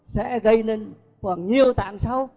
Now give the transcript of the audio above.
sẽ gây nên khoảng nhiều tạng sau